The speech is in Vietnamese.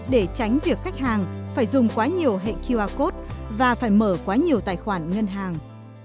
để tránh việc khách hàng phải dùng quá nhiều hệ qr code và phải mở quá nhiều tài khoản ngân hàng